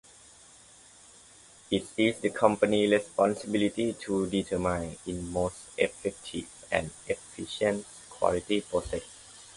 It is the company's responsibility to determine the most effective and efficient quality process.